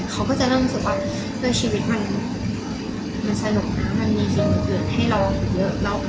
เขาก็จะเริ่มรู้สึกว่าด้วยชีวิตมันสนุกนะมันมีสิ่งอื่นให้เราอีกเยอะ